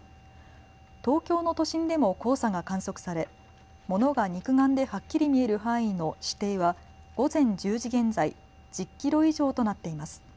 東京の都心でも黄砂が観測され物が肉眼ではっきり見える範囲の視程は午前１０時現在、１０キロ以上となっています。